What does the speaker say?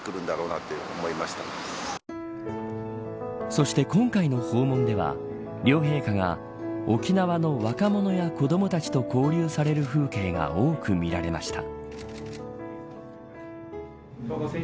そして、今回の訪問では両陛下が沖縄の若者や子どもたちと交流される風景が多く見られました。